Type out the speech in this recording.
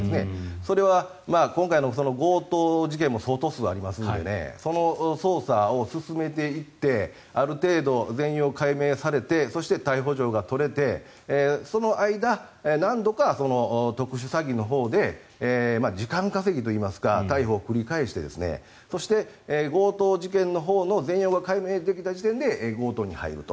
それは今回の強盗事件も相当数ありますのでその捜査を進めていってある程度、全容解明されてそして、逮捕状が取れてその間、何度か特殊詐欺のほうで時間稼ぎといいますか逮捕を繰り返してそして、強盗事件のほうの全容が解明できた事件で強盗に入ると。